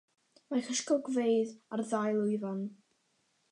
Mae cysgodfeydd ar y ddau lwyfan.